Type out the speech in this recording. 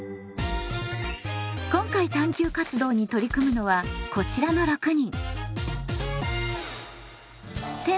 今回探究活動に取り組むのはこちらの６人。